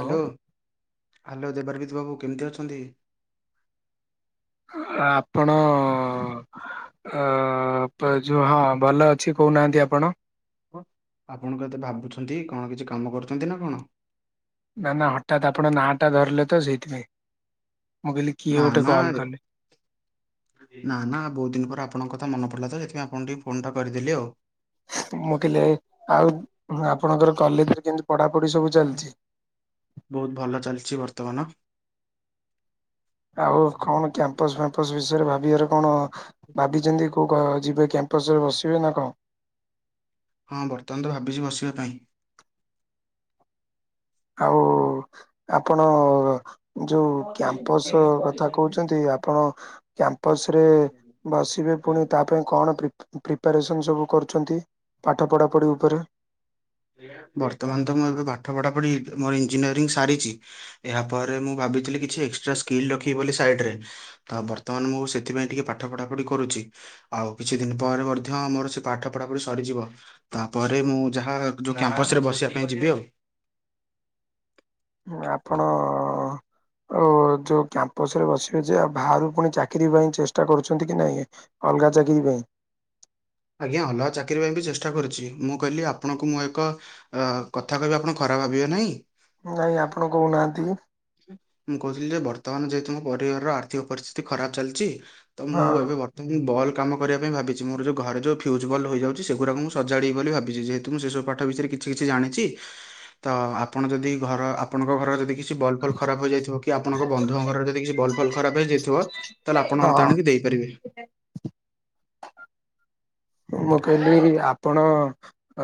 Hello hello ଦେବାରବିତ ବାବୁ କେମିତି ଅଛନ୍ତି? ହାଁ ଆପଣ ଅ ଯୋଉ ହଁ ଭଲ ଅଛି କହୁନାହାନ୍ତି ଆପଣ ହ ଆପଣ କେତେ ଭାବୁଛନ୍ତି କଣ କିଛି କାମ କରୁଛନ୍ତି ନା କଣ? ନା ନା ହଠାତ ଆପଣ ନାଁ ଟା ଧରିଲେ ତ ସେଇଥିପାଇଁ। ମୁଁ କହିଲି କିଏ ନା ଗୋଟେ ନା କଲ୍ କଲେ ନା ନା ବହୁତ ଦିନ ପରେ ଆପଣଙ୍କ କଥା ମନ ପଡିଲା ତ ସେଥିପାଇଁ ଆପଣ ଟିକେ ଫୋନ ଟା କରିଦେଲି ଆଉ। ମୁଁ କହିଲେ ଆଉ ଆପଣଙ୍କର କଲେଜରେ କେମତି ପଢାପଢି ସବୁ ଚାଲିଛି। ବହୁତ ଭଲ ଚାଲିଛି ବର୍ତ୍ତମାନ ଆଉ କଣ କ୍ୟାମ୍ପସ ଫ୍ୟାମ୍ପସ ବିଷୟରେ ଭାବିବାର କଣ ଭାବିଛନ୍ତି। ତୁ ଯିବେ କ୍ୟାମ୍ପସ୍ ରେ ବସିବେ ନା କଣ? ହଁ ବର୍ତ୍ତମାନ ତ ଭାବିଛି ବସିବା ପାଇଁ। ଆଉ ଆପଣ ଯୋଉ କ୍ୟାମ୍ପସ କଥା କହୁଛନ୍ତି ଆପଣ କ୍ୟାମ୍ପସ ରେ ବସିବେ ପୁଣି ତା ଥି ପାଇଁ କଣ ପ୍ରିପାରେସନ୍ ସବୁ କରୁଛନ୍ତି ପାଠ ପଢ଼ାପଢ଼ି ଉପରେ। ବର୍ତ୍ତମାନ ତ ମୁଁ ଏବେ ପାଠ ପଢା ପଢି ମୋର ଇଞ୍ଜିନିୟରିଂ ସାରିଛି। ଏହା ପରେ ମୁଁ ଭାବିଥିଲି କିଛି ଏକ୍ସଟ୍ରା ସ୍କିଲ୍ ରଖିବି ବୋଲି ସାଇଡ଼ରେ। ତ ବର୍ତ୍ତମାନ ମୁଁ ସେଥିପାଇଁ ଟିକେ ପାଠ ପଢ଼ାପଢ଼ି କରୁଚି। ଆଉ କିଛି ଦିନି ପରେ ମଧ୍ୟ ମୋର ସେ ପାଠ ପଢ଼ାପଢ଼ି ସରିଯିବ ତାପରେ ମୁଁ ଯାହା ଯୋଉ କ୍ୟାମ୍ପସ ରେ ବସିବା ପାଇଁ ଯିବି ଆଉ। ନେ ଆପଣ ଓ ଯୋଉ କ୍ୟାମ୍ପସ୍ ରେ ବସିବେ ଯେ ଆଉ ଭାରୁ ପୁଣି ଚାକିର ପାଇଁ ଚେଷ୍ଟା କରୁଛନ୍ତି କି ନାଇଁ? ଅଲଗା ଚାକିରି ପାଇଁ। ଆଜ୍ଞା ଅଲଗା ଚାକିରି ପାଇଁ ବି ଚେଷ୍ଟା କରୁଚି ମୁଁ କଇଲି ଆପଣଙ୍କୁ ମୁଁ ଏକ ଅ କଥା କହିବି ଆପଣ ଖରାପ ଭାବିବେ ନାହିଁ? ନାଇଁ ଆପଣ କହୁନାହାନ୍ତି। ମୁଁ କହୁଥିଲି ଯେ ବର୍ତ୍ତମାନ ଯେହେତୁ ମୋ ପରିବାରର ଆର୍ଥିକ ପରିସ୍ଥିତି ଖରାପ ଚାଲିଚି ତ ହଁ ମୁଁ ଏବେ ବର୍ତ୍ତନ୍ଜି ବଲ୍ କାମ କରିବା ପାଇଁ ଭାବିଚି ମୋର ଯୋଉ ଘରେ ଯୋଉ ଫ୍ୟୁଜ୍ ବଲ୍ ହୋଇଯାଉଚି ସେଗୁରାକୁ ମୁଁ ସଜାଡ଼ିବି ବୋଲି ଭାବିଚି ଯେହେତୁ ମୁଁ ସେସବୁ ପାଠ ବିିଷୟରେ କିଛି କିଛି ଜାଣିଚି ତ ଆପଣ ଯଦି ଘର ଆପଣଙ୍କ ଘର ଯଦି କି ଛି ବଲ୍ ଫଲ୍ ଖରାପ ହୋଇଯାଇଥିବ କି ଆପଣଙ୍କ ବନ୍ଧୁଙ୍କ ଘରର ଯଦି କିଛି ବଲ୍ ଫଲ୍ ଖରାପ ହେଇଯାଇଥିବ ତାହେଲେ ଆପଣ ମତେ ଆଣିକି ହଁ ଦେଇ ପାରିବେ। ମୁଁ କହିଲି ଆପଣ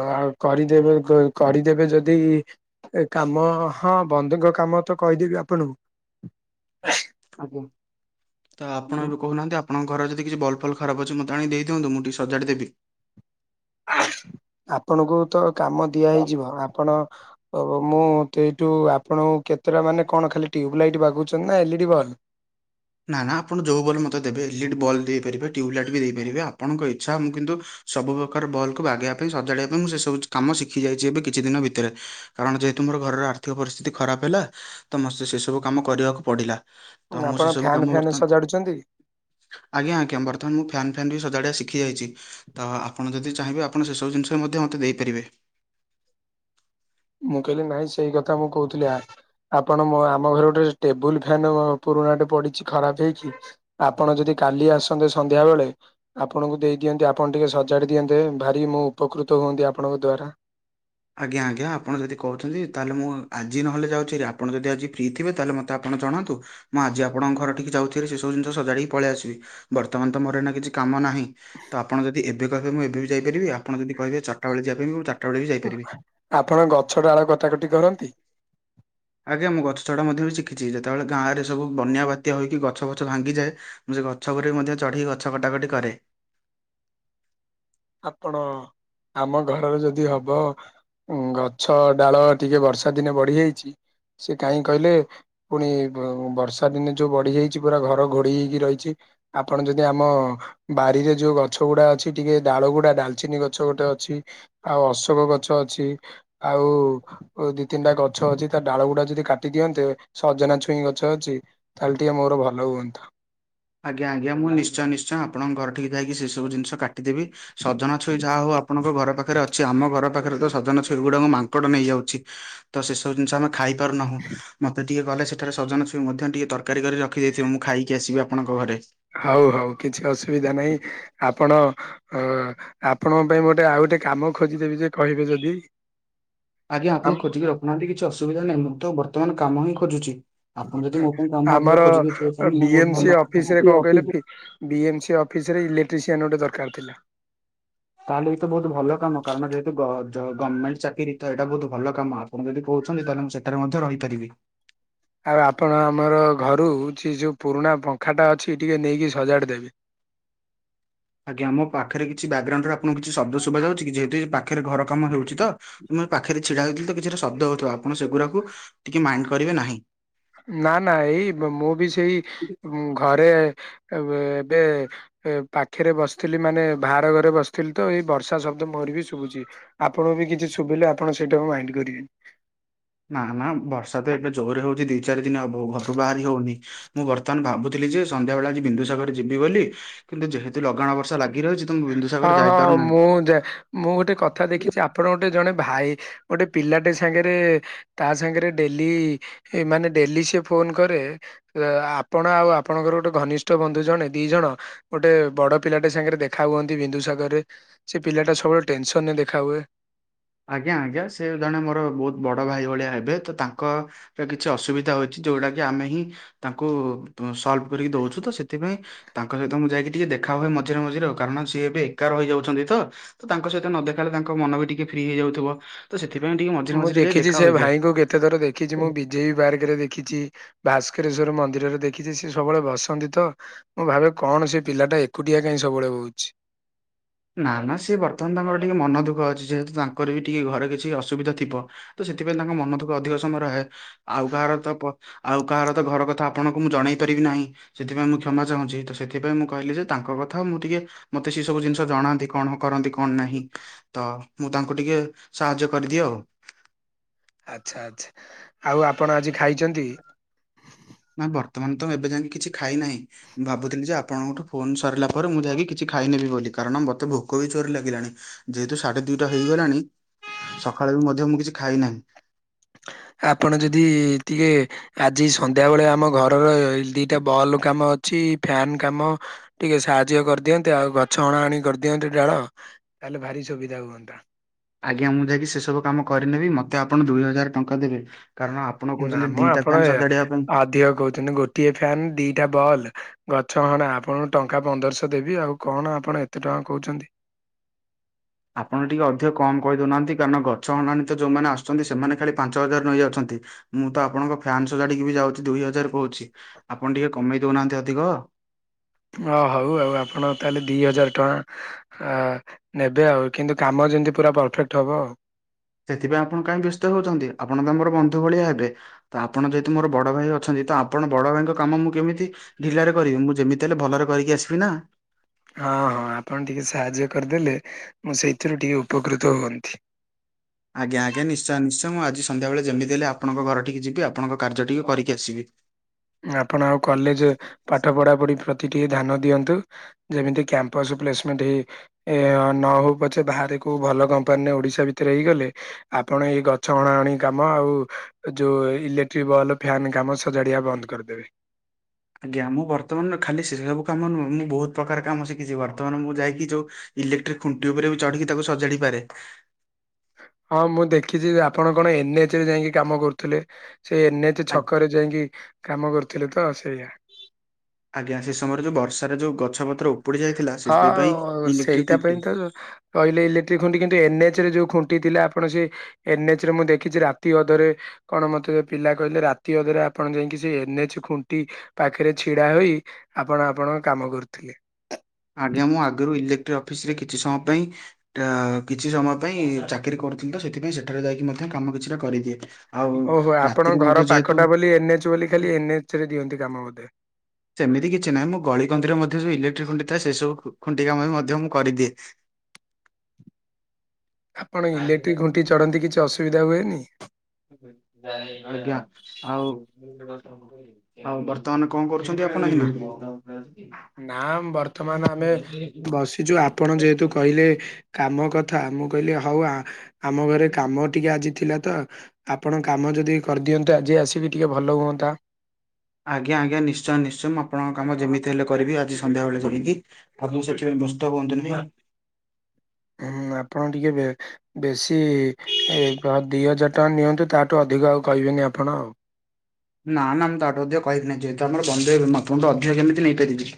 ଅ କରିଦେବେ ଗ କରିଦେବେ ଯଦି ଏ କାମ ହଁ ବନ୍ଧୁଙ୍କ କାମ ତ କହିଦେବି ଆପଣଙ୍କୁ। ଆଜ୍ଞା ତ ଆପଣ ଏବେ କହୁନାହାନ୍ତି ଆ ପଣଙ୍କ ଯଦି କିଛି ବଲ୍ ଫଲ୍ ଖରାପ ଅଛି ମତେ ଆଣି ଦେଇଦିଅନ୍ତୁ ମୁଁ ଟିକେ ସଜାଡ଼ି ଦେବି। ଆପଣଙ୍କୁ ତ କାମ ଦିଆ ଦେବି ହେଇଯିବ ଆପଣ ଓ ମୁଁ ଟେଇଟୁ ଆପଣଙ୍କୁ କେତେଟା ମାନେ କଣ ଖାଲି ଟ୍ୟୁବ ଲାଇଟ୍ ବାଗଉଛନ୍ତି ନାଁ ଏଲ୍ ଇ ଡି଼ ବଲ୍? ନାଁ ନାଁ ଆପଣ ଯୋଉ ବଲ୍ ମତେ ଦେବେ ଏଲ୍ ଇ ଡ଼ି ବଲ୍ ଦେଇପାରିବେ ଟ୍ୟୁବ୍ ଲାଇଟ୍ ବି ଦେଇପାରିବେ ଆପଣଙ୍କ ଇଚ୍ଛା ମୁଁ କିନ୍ତୁ ସବୁ ପ୍ରକାର ବଲ୍ କୁ ବାଗେଇବା ପାଇଁ ସଜାଡ଼ିବା ପାଇଁ ମୁଁ ସେ ସବୁ କାମ ଶିଖି ଯାଇଛି ଏବେ କିଛି ଦିନ ଭିତରେ। କାରଣ ଯେହେତୁ ମୋର ଘରର ଆର୍ଥିକ ପରିସ୍ଥିତି ଖରାପ ହେଲା ତ ମ ସେସବୁ କାମ କରିବାକୁ ପଡ଼ିଲା। ଉଁ ଆପଣ ଫ୍ୟାନ୍ ଉ ବର୍ତ୍ତଆନ୍ ଆଜ୍ଞା ଆଜ୍ଞା ବର୍ତ୍ତମାନ ମୁଁ ଫ୍ୟାନ୍ ଫ୍ୟାନ୍ ବି ସଜାଡ଼ିବା ଶିଖି ଯାଇଚି। ତ ଆପଣ ଯଦି ଚାହିଁବେ ଆପଣ ସେସବୁ ଜିନିଷ ବି ମଧ୍ୟ ମତେ ଦେଇପାରିବେ। ମୁଁ କହିଲି ନାଇଁ ସେଇ କଥା ମୁଁ କହୁଥିଲି ଆ ଆପଣ ମୋ ଆମ ଘରେ ଗୋଟେ ଟେବୁଲ୍ ଫ୍ୟାନ ପୁରୁଣାଟେ ପଡ଼ିଚି ଖରାପ ହେଇଚି। ଆପଣ ଯଦି କାଲି ଆସନ୍ତେ ସନ୍ଧ୍ୟା ବେଳେ ଆପଣଙ୍କୁ ଦେଇ ଦିଅନ୍ତି ଆପଣ ଟିକେ ସଜାଡ଼ି ଦିଅନ୍ତେ ଭାରି ମୁଁ ଉପକୃତ ହୁଅନ୍ତି ଆପଣଙ୍କ ଦ୍ଵାରା। ଆଜ୍ଞା ଆଜ୍ଞା ଆପଣ ଯଦି କହୁଛନ୍ତି ତାହେଲେ ମୁଁ ଆଜି ନହେଲେ ଯାଉଛି ହାରି ଆପଣ ଯଦି ଆଜି ଫ୍ରିଥିବେ ତାହେଲେ ମୋତେ ଆପଣ ଜଣାନ୍ତୁ। ମୁଁ ଆଜି ଆପଣଙ୍କ ଘରଠିକି ଯାଉଚି ହାରି ସେସବୁ ଜିନିଷ ସଜାଡ଼ିକି ପଳିଆସିବି ବର୍ତ୍ତମାନ ତ ମୋର ଏନା କିଛି କାମ ନାହିଁ। ତ ଆପଣ ଯଦି ଏବେ କହିବେ ମୁଁ ଏବେ ବି ଯାଇପାରିବି ଆପଣ ଯଦି କହିବେ ଚରଟା ବେଳେ ଯିବା ପାଇଁ ବି ଚା ଚାରିଟା ବେଳେ ଆପଣ ଗଛ ଡାଳ କଥା କଟି କରନ୍ତି? ଆଜ୍ଞା ମୁଁ ଗଛ ଚଢ଼ା ମଧ୍ୟ ବି ଶିଖିଚି ଯେତବେଳେ ଗାଁରେ ସବୁ ବନ୍ୟା ବାତ୍ୟା ହୋଇକି ଗଛ ଫଛ ଭାଙ୍ଗିଯାଏ ମୁଁ ସେ ଗଛ ଗୁରେ ମଧ୍ୟ ଚଢ଼ି ଗଛ କଟାକଟି କରେ। ଆପଣ ଆମ ଘରରେ ଯଦି ହବ ଉଁ ଗଛ ଡାଳ ଟିକେ ବର୍ଷା ଦିନେ ବଢିଯାଇଚି ସେ କାହିଁ କହିଲେ ପୁଣି ବ ବର୍ଷା ଦିନେ ଯୋଉ ବଢ଼ିଯାଇଚି ପୁରା ଘର ଘୋଡ଼େଇ ହେଇକି ରହିଚି। ଆପଣ ଯଦି ଆମ ବାରିରେ ଯୋଉ ଗଛ ଗୁଡ଼ା ଅଛି ଟିକେ ଡାଳଗୁଡ଼ା ଡାଲଚିନି ଗଛ ଗୋଟେ ଅଛି ଆଉ ଅଶୋକ ଗଛ ଅଛି ଆଉ ଓ ଦି ତିନିଟା ଗଛ ଅଛି ତା ଡାଳ ଗୁଡ଼ା ଯଦି କାଟି ଦିଅନ୍ତେ ସଜନା ଛୁଇଁ ଗଛ ଅଛି। ତାହେଲେ ଟିକେ ମୋର ଭଲ ହୁଅନ୍ତା। ଆଜ୍ଞା, ଆଜ୍ଞା ମୁଁ ନିଶ୍ଚୟ ନିଶ୍ଚୟ ଆପଣଙ୍କ ଘରଠିକି ଯାଇକି ସେ ସବୁ ଜିନଷ କାଟିଦେବି। ସଜନା ଛୁଇ ଯାହା ହଉ ଆପଣଙ୍କ ଘର ପାଖରେ ଅଛି। ଆମ ଘର ପାଖରେ ତ ସଜନା ଛୁଇ ଗୁଡା ଆମ ମାଙ୍କଡ ନେଇଯାଉଛି। ତ ସେସବୁ ଜିନିଷ ଆମେ ଖାଇପାରୁନାହୁଁ। ମୋତେ ଟିକେ ଗଲେ ସେଠାରେ ସଜନା ଛୁଇଁ ମଧ୍ୟ ଟିକେ ତରକାରୀ କରି ରଖିଦେଇଥିବ ମୁଁ ଖାଇକି ଆସିବି ଆପଣଙ୍କ ଘରେ। ହଉ ହଉ କିଛି ଅସୁବିଧା ନାହିଁ ଆପଣ ଅ, ଆପଣଙ୍କ ପାଇଁ ଗୋଟେ ଆଉ ଗୋଟେ କାମ ଖୋଜିଦେବି ଯେ କହିବେ ଯଦି। ଆଜ୍ଞା ଆମ ଆପଣ ଖୋଜିକି ରଖୁନାହାନ୍ତି କିଛି ଅସୁବିଧା ନାହିଁ, ମୁଁ ତ ବର୍ତ୍ତମାନ କାମ ହିଁ ଖୋଜୁଛି। ଆପଣ ଯଦି ଅଁ, ମୋ ପାଇଁ କାମ ଅଧିକ ଆମର ଖୋଜି ଦେଇଥିବେ ଅ, ତାହେଲେ ମୁଁ ବି ବହୁତ ଏମ୍ ଭଲ ସି ଅଫିସ୍ ରେ କଣ କହିଲେ ହୁଅନ୍ତା। ଫି ବି ଏମ୍ ସି ଅଫିସ୍ ରେ ଇଲେକ୍ଟ୍ରିକସିଆନ୍ ଗୋଟେ ଦରକାର ଥିଲା। ତାହେଲେ ଏ ତ ବହୁତ ଭଲ କାମ କାରଣ ଯେହେତୁ ଗ-ଜ-ଗର୍ମେଣ୍ଟ ଚାକିରି ତ ଏଇଟା ବହୁତ ଭଲ କାମ। ଆପଣ ଯଦି କହୁଛନ୍ତି ତାହେଲେ ମୁଁ ସେଠାରେ ମଧ୍ୟ ରହିପାରିବି। ଆଉ ଆପଣ ଆମର ଘରୁ ଛି ଯୋଉ ପୁରୁଣା ପଙ୍ଖାଟା ଅଛି ଟିକିଏ ନେଇକି ସଜାଡ଼ି ଦେବେ। ଆଜ୍ଞା ମୋ ପାଖରେ କିଛି ବ୍ୟାକଗ୍ରାଉଣ୍ଡରେ ଆପଣଙ୍କୁ କିଛି ଶବ୍ଦ ଶୁଭାଯାଉଛି କି? ଯେହେତୁ ଏ ପାଖରେ ଘର କାମ ହେଉଛି ତ। ମୁଁ ଏ ପାଖରେ ଛିଡା ହୋଇଥିଲି ତ କିଛିଟା ଶବ୍ଦ ହଉଥୁବ ଆପଣ ସେଗୁରାକୁ ଟିକେ ମାଇଣ୍ଡ କରିବେ ନାହିଁ। ନା ନା ଏଇ ମ-ମୁଁ ବି ସେଇ ମୁଁ ଘରେ ଏବେ ଦେ ଏ ପାଖେରେ ବସିଥିଲି ମାନେ ବାହାରଘରେ ବସିଥିଲି ତ ଏଇ ବର୍ଷା ଶବ୍ଦ ମୋରି ବି ଶୁଭୁଛି। ଆପଣ ବି କିଛି ଶୁଭିଲେ ଆପଣ ସେଇଟାକୁ ମାଇଣ୍ଡ କରିବେନି। ନା ନା ବର୍ଷା ତ ଏବେେ ଜୋରରେ ହଉଛି ଦି ଚାରି ଦିନ ହବ ଘରୁ ବାହାରି ହଉନି। ମୁଁ ବର୍ତ୍ତମାନ ଭାବୁଥିଲି ଯେ ସନ୍ଧ୍ୟା ବେଳେ ଆଜି ବିନ୍ଦୁସାଗର ଯିବି ବୋଲି। କିନ୍ତୁ ଯେହେତୁ ଲଗାଣ ବର୍ଷା ଲାଗି ରହିଛି ତ ମୁଁ ବିନ୍ଦୁ ହଁ, ହଁ ମୁଁ ଯା ମୁଁ ଗୋଟେ କଥା ଦେଖିଛି ଆପଣ ଗୋଟେ ଜଣେ ଭାଇ ଗୋଟେ ପିଲାଟେ ସାଙ୍ଗରେ ତା ସାଙ୍ଗରେ ଡେଲି ଏ ମାନେ ଡେଲି ସେ ଫୋନ୍ କରେ। ଅ, ଆପଣ ଆଉ ଆପଣଙ୍କର ଗୋଟେ ଘନିଷ୍ଠ ବନ୍ଧୁ ଜଣେ ଦି ଜଣ ଗୋଟେ ବଡ ପିଲାଟେ ସାଙ୍ଗରେ ଦେଖା ହୁଅନ୍ ତି ବିନ୍ଦୁ ସାଗର ରେ ସେ ପିଲା ଟା ସବୁବେଳେ ଟେନସନ୍ ରେ ଦେଖା ହୁଏ। ଆଜ୍ଞା ଆଜ୍ଞା ସେ ଜଣେ ମୋର ବହୁତ ବଡ ଭାଇ ଭଳିଆ ହେବେ, ତ ତାଙ୍କ ତ କିଛି ଅସୁବିଧା ହଉଛି ଯୋଉଡା କି ଆମେ ହିଁ ତାଙ୍କୁ ତ ସଲ୍ଭ କରିକି ଦଉଛୁ ତ ସେଥିପାଇଁ ତାଙ୍କ ସହିତ ମୁଁ ଯାଇକି ଟିକେ ଦେଖା ହୁଏ ମଝିରେ ମଝିରେ ଆଉ, କାରଣ ସିଏ ଏବେ ଏକା ରହିଯାଉଛନ୍ତି ତ। ତ ତାଙ୍କ ସହିତ ନ ଦେଖାହେଲେ ତାଙ୍କ ମନ ବି ଟିକେ ଫ୍ରି ହେଇଯାଉଥିବ। ତ ସେଥିପାଇଁ ଟିକେ ମଝିରେ ମୁଁ ମଝିରେ ଯାଇ ଦେଖିଛି ଦେଖା ସେ ହୋଇଯାଏ। ଭାଇଙ୍କୁ କେତେ ଥର ଦେଖିଛି, ମୁଁ ବି ଜେଇ ପାର୍କ ରେ ଦେଖିଛି, ଭାସ୍କେରଶ୍ବର ମନ୍ଦିରରେ ଦେଖିଛି ସିଏ ସବୁବେଳେ ବସନ୍ତି ତ। ମୁଁ ଭାବେ କଣ ସେ ପିଲାଟା ଏକୁଟିଆ କାଇଁ ସବୁବେଳେ ବଉଛି। ନା ନା ସିଏ ବର୍ତ୍ତମାନ ତାଙ୍କର ଟିକେ ମନ ଦୁଃଖ ଅଛି ଯେହେତୁ ତାଙ୍କର ବି ଟିକେ ଘରେ କିଛି ଅସୁବିଧା ଥିବ। ତ ସେଥିପାଇଁ ତାଙ୍କ ମନ ଦୁଃଖ ଅଧିକ ସମୟ ରହେ, ଆଉ କାହାର ତ ପ ଆଉ କାହାର ତ ଘର କଥା ଆପଣଙ୍କୁ ମୁଁ ଜଣେଇ ପାରିବି ନାହିଁ। ସେଥିପାଇଁ ମୁଁ କ୍ଷମା ଚାହୁଁଛି। ତ ସେଥିପାଇଁ ମୁଁ କହିଲି ଯେ ତାଙ୍କ କଥା ମୁଁ ଟିକେ ମୋତେ ସେ ସବୁ ଜିନିଷ ତ ଜଣାନ୍ତି କଣ କରନ୍ତି କଣ ନାହିଁ, ତ ମୁଁ ତାଙ୍କୁ ଟିକେ ସାହାଯ୍ୟ କରିଦିଏ ଆଉ। ଆଚ୍ଛା, ଆଚ୍ଛା, ଆଉ ଆପଣ ଆଜି ଖାଇଚନ୍ତି? ନା ବର୍ତ୍ତମାନ ତ ଏବେ ଯାଙ୍କେ ତ କିଛି ଖାଇ ନାହିଁ। ମୁଁ ଭାବୁଥିଲି ଯେ ଆପଣଙ୍କଠୁ ଫୋନ୍ ସରିଲା ପରେ ମୁଁ ଯାଇକି କିଛି ଖାଇନେବି ବୋଲି। କାରଣ ମୋତେ ଭୋକ ବି ଜୋର ଲାଗିଲାଣି। ଯେହେତୁ ସାଢେ ଦିଇଟା ହେଇଗଲାଣି, ସଖାଳେ ବି ମଧ୍ୟ ମୁଁ କିଛି ଖାଇନାହିଁ। ଆପଣ ଯଦି ଟିକେ ଆଜି ସନ୍ ଧ୍ୟା ବେଳେ ଆମ ଘରର ଇ-ଦିଇଟା ବଲ୍ କାମ ଅଛି, ଫେନ୍ କାମ ଟିକେ ସାହାଯ୍ୟ କରିଦିଅନ୍ତେ, ଆଉ ଗଛ ହଣା ହଣି କରିଦିଅନ୍ତେ ଡାଳ ତାହେଲେ, ଭାରି ସୁବିଧା ହୁଅନ୍ତା। ଆଜ୍ଞା, ମୁଁ ଯାଇକି ସେ ସବୁ କାମ କରିନେବି। ମତେ ଆପଣ ଦୁଇ ହଜାର ଟଙ୍କା ଦେବେ। କାରଣ ଆପଣ ନା କହୁଛନ୍ତି, ମ ଦିଟା ଆପଣ ଫ୍ୟାନ୍ ସଜାଡିବା ପାଇଁ। ଅଧିକ କୋହୁ ତୁନୁ ଗୋଟିଏ ଫ୍ୟାନ୍ ଦିଟା ବଲ୍। ଗଛ ହଣା ଆପଣଙ୍କୁ ଟଙ୍କା ପନ୍ଦରଶହ ଦେବି, ଆଉ କଣ ଆପଣ ଏତେ ଟଙ୍କା କହୁଛନ୍ତି? ଆପଣ ଟିକେ ଅଧିକ କମ୍ କହିଦେଉନାହାଁନ୍ତି। କାରଣ, ଗଛ ହଣାଣୀ ତ ଯୋଉମାନେ ଆସୁଛନ୍ତି, ସେମାନେ ଖାଲି ପାଞ୍ଚ ହଜାର ନେଇ ଯାଉଛନ୍ତି। ମୁଁ ତ ଆପଣଙ୍କ ଫ୍ୟାନ୍ ସଜାଡିକି ବି ଯାଉଛି, ଦୁଇ ହଜାର କହୁଛି, ଆପଣ ଟିକେ କମେଇ ଦଉନାହାଁନ୍ତି ଅଧିକ? ଅ ହଉ ଆଉ ଆପଣ ତାହେଲେ ଦି ହଜାର ଟଆଁ ଅ ନେବେ ଆଉ, କିନ୍ତୁ କାମ ଯେମିତି ପୁରା ପରଫେକ୍ଟ ହବ। ସେଥିପାଇଁ ଆପଣ କାହିଁ ବ୍ୟସ୍ତ ହଉଛନ୍ତି। ଆପଣ ତ ଆମର ବନ୍ଧୁ ଭଳିଆ ହେବେ। ତ ଆପଣ ଯେହେୁ ମୋର ବଡ଼ ଭାଇ ଅଛନ୍ତି ତ, ଆପଣ ବଡ଼ ଭାଇଙ୍କ କାମ ମୁଁ କେମିତି ଢିଲାରେ କରିବି, ମୁଁ ଯେମିତି ହେଲେ ଭଲରେ କରିକି ଆସିବି ନା। ହଁ, ହଁ, ଆପଣ ଟିକେ ସାହାଯ୍ୟ କରିଦେଲେ, ମୁଁ ସେଇଥିରୁ ଟିକେ ଉପକୃତ ହୁଅନ୍ତି। ଆଜ୍ଞା, ଆଜ୍ଞା, ନିଶ୍ଚୟ ନିଶ୍ଚୟ ମୁଁ ଆଜି ସଧ୍ୟାବେଳେ ଯେମିତି ହେଲେ ଆପଣଙ୍କ ଘରିଠିକି ଯିବି, ଆପଣଙ୍କ କାର୍ଯ୍ୟ ଟିକେ କରିକି ଆସିବି। ଆପଣ ଆଉ କଲେଜେ ପାଠ ପଢାପଢି ପ୍ରତି ଟିକେ ଧ୍ୟାନ ଦିଅନ୍ତୁ। ଯେମିତି କ୍ୟାମ୍ପସ୍ ପ୍ଲେସମେଣ୍ଟେ ଏ ନ ହଉ ପଛେ, ବାହାରେ କୋଉ ଭଲ କମ୍ପାନୀରେ ଓଡିଶା ଭିତରେ ହେଇଗଲେ ଆପଣ ଏଇ ଗଛ ଅଣା ଅଣି କାମ ଆଉ ଯୋଉ ଇଲେକ୍ଟ୍ରିକ ବଲ୍, ଫ୍ୟାନ୍ କାମ ସଜାଡିଆ ବନ୍ଦ କରିଦେବେ। ଆଜ୍ଞା, ମୁଁ ବର୍ତ୍ତମାନ ଖାଲି ସେ ସବୁ କାମ ନୁହଁ। ମୁଁ ବହୁତ ପ୍ରକାର କାମ ଶିଖିଛି, ବର୍ତ୍ତମାନ ମୁଁ ଯାଇକି ଯୋଉ ଇଲେକ୍ଟ୍ରିକ୍ ଖୁଣ୍ଟି ଉପରେ ବି ଚଢ଼ିକି ତାକୁ ସଜାଡି ପାରେ। ହଁ, ମୁଁ ଦେଖିଛି ଯେ ଆପଣ କଣ ଏନ୍ ଏଚ୍ ରେ ଯାଇକି କାମ କରୁଥିଲେ। ସେ ଏନ୍ଏଚ୍ ଆ ଛକରେ ଯାଇଁକି କାମ କରୁଥିଲେ ତ, ସେଇଆ। ଆଜ୍ଞା, ସେ ସମୟରେ ଯୋଉ ବର୍ଷାରେ ଯୋଉ ଗଛ ପତ୍ରଉ ହଁ-ଅ ସେଇଟା ଖୁଣ୍ଟି ପାଇଁ ତ କହିଲେ ଇଲେକ୍ଟ୍ରିକ୍ ଖୁଣ୍ଟି, କିନ୍ତୁ ଏନ୍ ଏଚ୍ ରେ ଯୋଉ ଖୁଣ୍ଟି ଥିଲା, ଆପଣ ସେ ଏନ୍ ଏଚ୍ ରେ ମୁଁ ଦେଖିଛି, ରାତି ଅଧରେ କଣ ମତେ ପିଲା କହିଲେ, ରାତି ଅଧରେ ଆପଣ ଯାଇଁକି, ସେ ଏନ୍ ଏଚ୍ ଖୁଣ୍ଟି ପାଖରେ ଛିଡା ହୋଇ ଆପଣ, ଆପଣଙ୍କ କାମ କରୁଥିଲେ। ଆଜ୍ଞା, ମୁଁ ଆଗରୁ ଇଲେକ୍ ଟିଏ ଅଫିସ୍ ରେ କିଛି ସମୟ ପାଇଁ ଅ କିଛି ସମୟ ପାଇଁ ଚାକିରି କରୁଥିଲି ତ, ସେଥିପାଇଁ ସେଠାରେ ଯାଇଁକି ମଧ୍ୟ କାମ କିଛିଟା କରିଦିଏ। ଆଉ ଓହୋ! ଆପଣ ରାତିରେ ମଧ୍ୟ ଘର ଯେହେତୁ ପାଖଟା ବୋଲି ଏନ୍ଏଚ୍ ବୋଲି, ଖାଲି ଏନ୍ଏଚ୍ ରେ ଦିଅନ୍ତି କାମ ବୋଧେ। ସେମିତି କିଛି ନାହିଁ, ମୁଁ ଗଳି କନ୍ଦିରେ ମଧ୍ୟ ଯୋଉ ଇଲେକ୍ଟ୍ରିକ ଖୁଣ୍ଟି ଥାଏ, ସେ ସବୁ ଖୁଣ୍ଟି କାମ ବି ମଧ୍ୟ ମୁଁ କରିଦିଏ। [inaudible] ଆପଣ ଇଲେକ୍ଟ୍ରିକ୍ ଖୁଣ୍ଟି ଚଢନ୍ତି କିଛି ଅସୁବିଧା ହୁଏନି? ଆଜ୍ଞା, ଆଉ ଆଉ ବର୍ତ୍ତମାନ କଣ କରୁଛନ୍ତି ଆପଣ ଏଇନା? ନାଁ-ଆ ମ୍ ବର୍ତ୍ତମାନ ଆମେ ବସିଛୁ। ଆପଣ ଯେହେତୁ କହିଲେ କାମ କଥା, ମୁଁ କହିଲି ହଉ ଆମ ଘରେ କାମ ଟିକେ ଆଜି ଥିଲା ତ! ଆପଣ କାମ ଯଦି କରିଦିଅନ୍ତେ, ଆଜି ଆସିକି ଟିକେ ଭଲ ହୁଅନ୍ତା। ଆଜ୍ଞା, ଆଜ୍ଞା ନିଶ୍ଚୟ ନିଶ୍ଚୟ ମୁଁ ଆପଣଙ୍କ କାମ ଯେମିତି ହେଲେ କରିବି। ଆଜି ସନ୍ଧ୍ୟାବେଳେ ଯାଇଁକି। ଆଦୌ ସେଥିପାଇଁ ବ୍ୟସ୍ତ ହୁଅନ୍ତୁନି। ହୁଁ, ଆପଣ ଟିକେ ବେ ବେଶୀ ଦିଇ ହଜାର ଟଙ୍କା ନିଅନ୍ତୁ ତାଠୁ ଅଧିକ ଆଉ କହିବେନି ଆପଣ ଆଉ। ନା ନା ମୁଁ ତାଠୁ ଅଧିକ କହିକିହିଁ ଯେହେତୁମର ବନ୍ଧୁ ଆପଣୁ ଅଧିକ କେମିତି ନେଇପାରିିବି।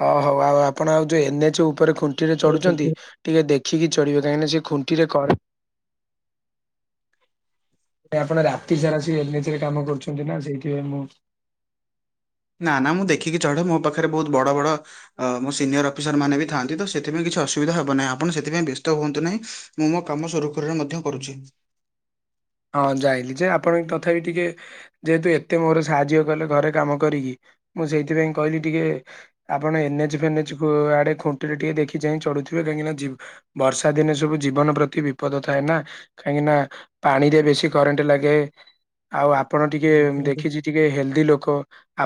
ହଁ ହଉ ଆଉ ଆପଣ ଆଉ ଯୋଉ ଏନଏଚ ଉପରେ ଖୁଣ୍ଟି ରେ ଚଢୁଛନ୍ତି ଟିକେ ଦେଖିକି ଚଢିବେ କାହିଁକିନା ସେ ଖୁଣ୍ଟି ରେ କରେ ଆପଣ ରାତି ସାରା ସେ ଏନ ଏଚ ରେ କାମ କରୁଛନ୍ତି ନା ସେଇଥିପାଇଁ ମୁଁ ନା ନା ମୁଁ ଦେଖିକି ଚଢ଼େ ମୋ ପାଖରେ ବହୁତ ବଡ଼ ବଡ଼ ଅ ମୋ ସିନିୟର ଅଫିସର ମାନ ବି ଥାନ୍ତି ତ ସେଥିପାଇଁ କିଛି ଅସୁବିଧା ହେବ ନାହିଁ ଆପଣ ସେଥିପାଇ ବ୍ୟସ୍ତ ହଅନ୍ତୁ ନାହିଁ। ମୁଁ ମୋ କାମ ସୁରୁଖୁରୁରେ ମଧ୍ୟ କରୁଛି। ହଁ ଜାଇଲିି ଯେ ଆପଣ ତଥାପି ଟିକେ ଯେହେତୁ ଏତେ ମୋର ସାହାଯ୍ୟ କଲେ ଘରେ କାମ କରିକି ମୁଁ ସେଇଥିପାଇଁ କହିଲି ଟିକେ ଆପଣ ଏନଏଚ୍ ଫେନେଚ ଆଡେ ଖୁଣ୍ଟିରେ ଟିକେ ଦେଖି ଚାହିଁ ଚଢୁଥିବେ କାହିଁକିନା ଯିବୁ ବର୍ଷା ଦିନେ ସବୁ ଜୀବନ ପ୍ରତି ବିପଦ ଥାଏ ନା କାହିଁକି ନା ପାଣିରେ ବେଶୀ କରେଣ୍ଟ ଲାଗେ। ଆଉ ଆପଣ ଟିକେ ଦେଖିଛି ଟିକେ ହେଲ୍ଦି ଲୋକ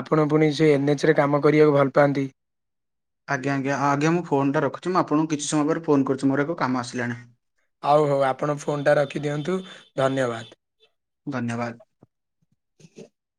ଆପଣ ପୁଣି ସେ ଏନ୍ଏଚ ରେ କାମ କରିବାକୁ ଭଲ ପାଆନ୍ତି। ଆଜ୍ଞା ଆଜ୍ଞା ଆଜ୍ଞା ମୁଁ ଫୋନଟା ରଖୁଛି ମୁ ଆପଣ କିଛି ସମୟ ପରେ ଫୋନ କରିଛି ମୋର ଏକ କାମ ଆସିଲାଣି। ଆଉ ହଉ ଆପଣ ଫୋନ୍ଟା ରଖିଦିଅନ୍ତୁ ଧନ୍ୟବାଦ। ଧନ୍ୟବାଦ। [inaudible]